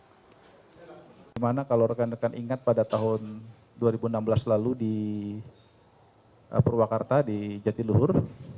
bagaimana kalau rekan rekan ingat pada tahun dua ribu enam belas lalu di purwakarta di jatiluhur